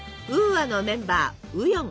ａｈ！のメンバーウヨン。